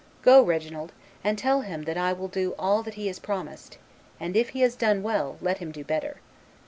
Go, Reginald, and tell him that I will do all that he has promised; and if he has done well, let him do better.